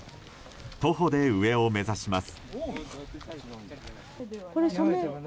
徒歩で上を目指します。